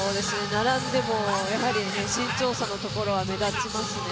並んでも、身長差のところは目立ちますね。